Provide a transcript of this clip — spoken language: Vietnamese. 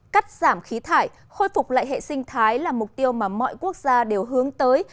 cắt giảm khí thải khôi phục lại hệ sinh thái là mục tiêu mà mọi quốc gia đều hướng tới